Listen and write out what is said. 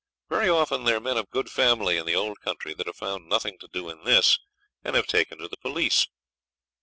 Very often they're men of good family in the old country that have found nothing to do in this, and have taken to the police.